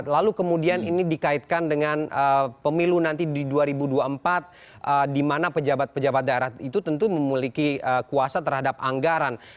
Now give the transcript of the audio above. lalu kemudian ini dikaitkan dengan pemilu nanti di dua ribu dua puluh empat di mana pejabat pejabat daerah itu tentu memiliki kuasa terhadap anggaran